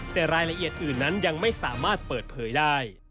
แต่รายละเอียดอื่นนั้นยังไม่สามารถเปิดเผยได้